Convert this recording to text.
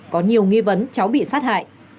có nhiều nghi vấn cháu bị sát hại